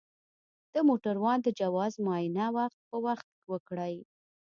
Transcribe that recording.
د موټروان د جواز معاینه وخت په وخت وکړئ.